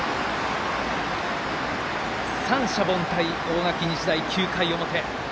三者凡退、大垣日大９回の表。